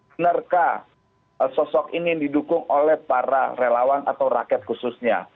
benarkah sosok ini didukung oleh para relawan atau rakyat khususnya